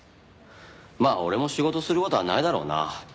まあ俺も仕事する事はないだろうな。